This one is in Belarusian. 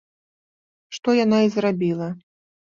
Што яна і зрабіла.